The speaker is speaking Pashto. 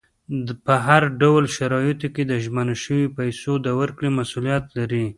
په هر ډول شرایطو کې د ژمنه شویو پیسو د ورکړې مسولیت لري.